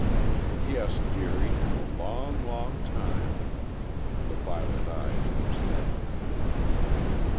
"Yes, dearie.... A long, long time." The violet eyes were sad.